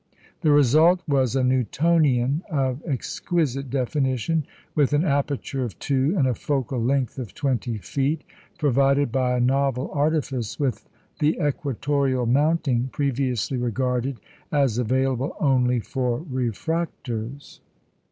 The result was a Newtonian of exquisite definition, with an aperture of two, and a focal length of twenty feet, provided by a novel artifice with the equatoreal mounting, previously regarded as available only for refractors.